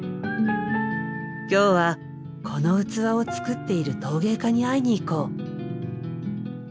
今日はこの器を作っている陶芸家に会いに行こう。